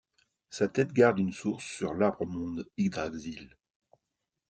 Sa tête garde une source sous l'arbre-monde, Yggdrasil.